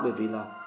bởi vì là